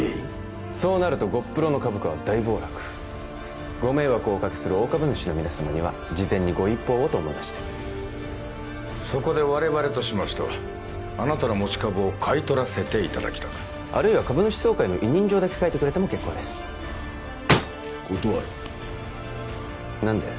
そうなるとゴップロの株価は大暴落ご迷惑をおかけする大株主の皆様には事前にご一報をと思いましてそこで我々としましてはあなたの持ち株を買い取らせていただきたくあるいは株主総会の委任状だけ書いてくれても結構です断る何で？